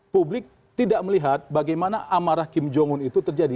publik tidak melihat bagaimana amarah kim jong un itu terjadi